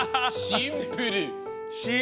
シンプル。